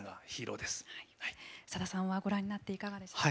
さださんはご覧になっていかがでしたか？